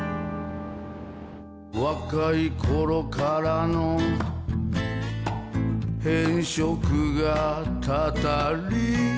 「若い頃からの偏食がたたり」